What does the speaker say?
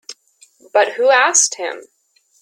But who asked him?